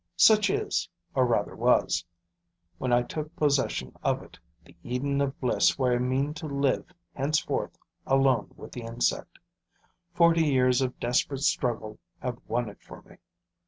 Such is, or rather was, when I took possession of it, the Eden of bliss where I mean to live henceforth alone with the insect. Forty years of desperate struggle have won it for me.